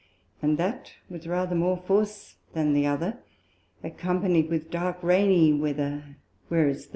and that with rather more force than the other, accompanied with dark rainy Weather, whereas the N.